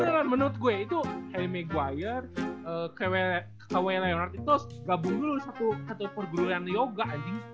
beneran menurut gue itu hemi guire kawih leonard itu gabung dulu satu perguruan yoga anjing